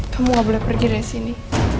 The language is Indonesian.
kamu gak boleh pergi dari sini